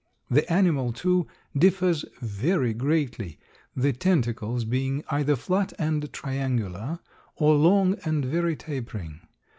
The animal, too, differs very greatly, the tentacles being either flat and triangular or long and very tapering.